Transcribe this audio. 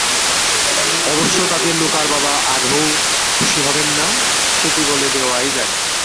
অবশ্য তাতে লুকার বাবা আদৌ খুশি হবেন না, সেটি বলে দেওয়াই যায়।